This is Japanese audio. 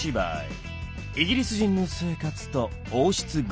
「イギリス人の生活と王室御用達」。